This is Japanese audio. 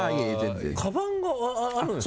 かばんがあるんですか？